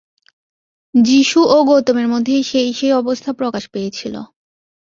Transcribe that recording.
যীশু ও গৌতমের মধ্যে সেই সেই অবস্থা প্রকাশ পেয়েছিল।